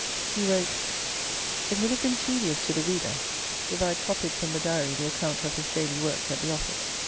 He wrote: "It would have been tedious to the reader if I had copied from the Diary the account of his daily work at the office."